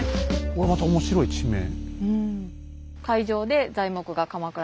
これまた面白い地名。